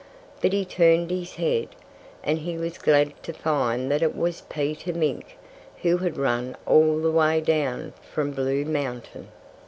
But he turned his head. And he was glad to find that it was Peter Mink, who had run all the way down from Blue Mountain.